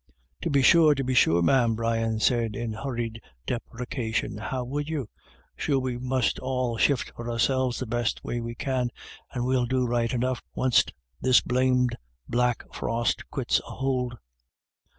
" Tubbe sure, tubbe sure, ma'am," Brian said, in hurried deprecation, " how would you ? Sure we must all shift for ourselves the best way we can, and we'll do right enough wunst this blamed black frost quits a hould."